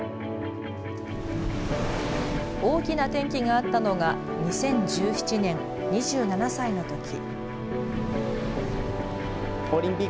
大きな転機があったのが２０１７年、２７歳のとき。